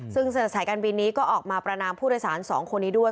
ซึ่งสายการบินนี้ก็ออกมาประนามผู้โดยสาร๒คนนี้ด้วย